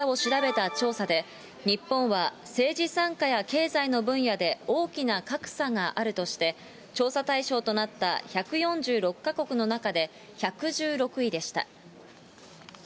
世界各国の男女格差を調べた調査で、日本は政治参加や経済の分野で大きな格差があるとして、調査対象となった１４６か国の中で１１６位でした。